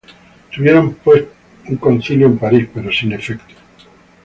Tuvieron pues un concilio en París, pero sin efecto.